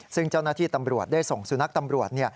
ซึ่งเจ้าหน้าที่ตำรวจได้ส่งสุนัขตำรวจ